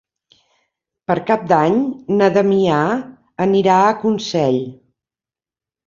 Per Cap d'Any na Damià anirà a Consell.